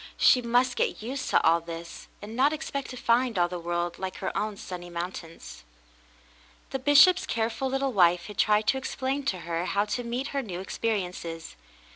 She must get used to all this, and not expect to find all the world like her own sunny mountains. The bishop's careful little wife had tried to explain to her how to meet her new experiences.